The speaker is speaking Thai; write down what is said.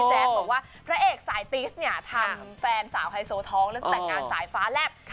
บอกว่าพระเอกสายติสเนี่ยทำแฟนสาวไฮโซท้องแล้วแต่งงานสายฟ้าแลบ